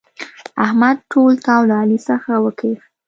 احمد ټول تاو له علي څخه وکيښ.